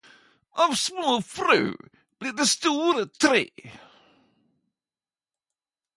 Av små frø blir det store tre